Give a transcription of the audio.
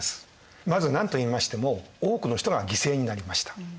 まず何と言いましても多くの人が犠牲になりました。